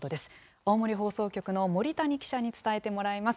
青森放送局の森谷記者に伝えてもらいます。